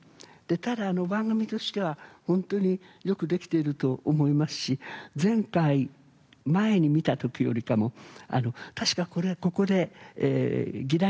ただ番組としては本当によくできていると思いますし前回前に見た時よりかも。というふうに僕には見えました。